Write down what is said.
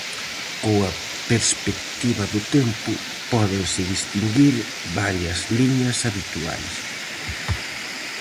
Coa perspectiva do tempo, pódense distinguir varias liñas habituais.